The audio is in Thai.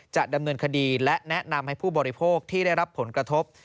จะดำเนินคดีและแนะนำให้ผู้บริโภคที่ได้รับผลกระทบ